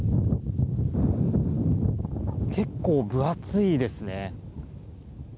結構、分厚いですね。